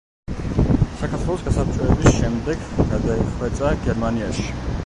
საქართველოს გასაბჭოების შემდეგ გადაიხვეწა გერმანიაში.